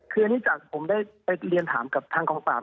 คืออันนี้จากผมได้ไปเรียนถามกับทางกองปราบ